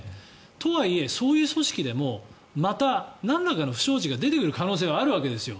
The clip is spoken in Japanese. とはいえ、そういう組織でもまた、なんらかの不祥事が出てくる可能性はあるわけでしょ。